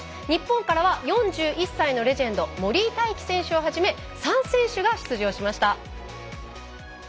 日本からは４１歳のレジェンド森井大輝選手を初め３選手が出場しました。